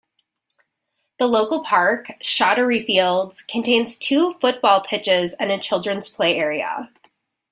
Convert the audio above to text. The local park, Shottery Fields, contains two football pitches and a children's play area.